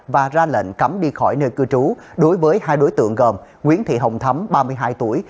và ra lệnh cấm đi khỏi nơi cư trú đối với hai đối tượng gồm nguyễn thị hồng thấm ba mươi hai tuổi